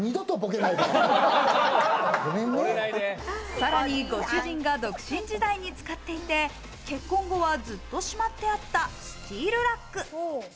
さらに、ご主人が独身時代に使っていて、結婚後はずっとしまってあったスチールラック。